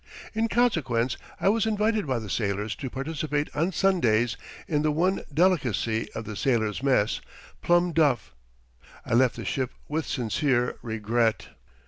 In consequence I was invited by the sailors to participate on Sundays, in the one delicacy of the sailors' mess, plum duff. I left the ship with sincere regret.